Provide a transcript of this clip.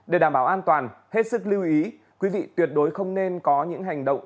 để đảm bảo an toàn hết sức lưu ý quý vị tuyệt đối không nên có những hành động